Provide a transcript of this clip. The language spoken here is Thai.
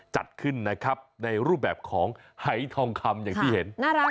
จัดขึ้นนะครับในรูปแบบของหายทองคำอย่างที่เห็นน่ารัก